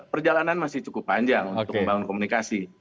perjalanan masih cukup panjang untuk membangun komunikasi